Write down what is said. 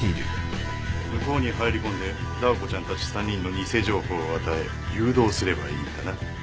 向こうに入り込んでダー子ちゃんたち３人の偽情報を与え誘導すればいいんだな？